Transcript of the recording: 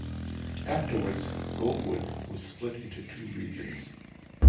Afterwards, Goldwood was split into two regions.